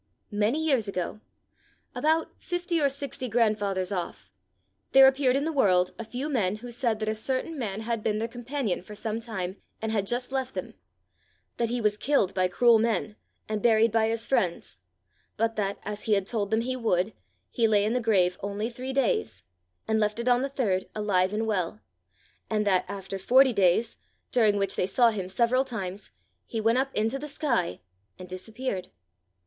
Many years ago about fifty or sixty grandfathers off there appeared in the world a few men who said that a certain man had been their companion for some time and had just left them; that he was killed by cruel men, and buried by his friends; but that, as he had told them he would, he lay in the grave only three days, and left it on the third alive and well; and that, after forty days, during which they saw him several times, he went up into the sky, and disappeared.